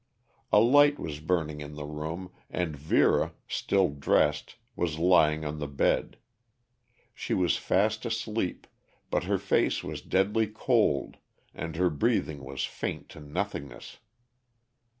A light was burning in the room and Vera, still dressed, was lying on the bed. She was fast asleep, but her face was deadly cold and her breathing was faint to nothingness.